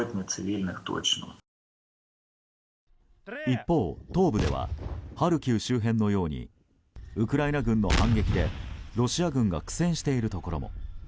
一方、東部ではハルキウ周辺のようにウクライナ軍の反撃でロシア軍が苦戦しているところも。